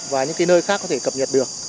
và những nơi khác có thể cập nhật được